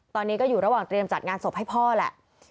ตอนนี้ก็อยู่ระหว่างเตรียมจัดงานศพให้พ่อแหละ